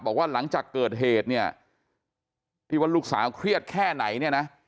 บอกว่าหลังจากเกิดเหตุเนี่ยที่ว่าลูกสาวเครียดแค่ไหนเนี่ยนะ